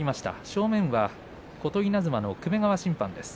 正面は琴稲妻の粂川審判です。